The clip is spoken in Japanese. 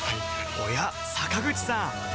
おや坂口さん